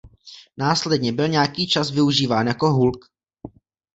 Následně byl nějaký čas využíván jako hulk.